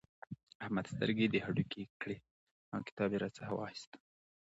احمد سترګې د هډوکې کړې او کتاب يې راڅخه واخيست.